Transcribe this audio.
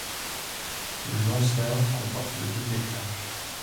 Le lanceur comporte deux étages.